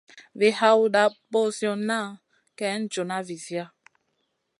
Wi hawta ɓozioŋa kay joona viziya.